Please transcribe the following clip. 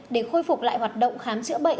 để khôi phục lại hoạt động khám chữa bệnh